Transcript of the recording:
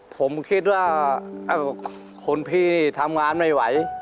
ผมคิดว่าคนพี่ทำงานไม่ไหว